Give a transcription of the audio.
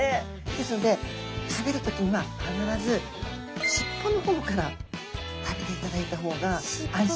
ですので食べる時には必ず尻尾の方から食べていただいた方が安心。